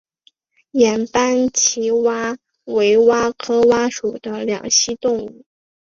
眼斑棘蛙为蛙科蛙属的两栖动物。